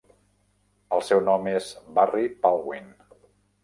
El seu nom és Barry Baldwin.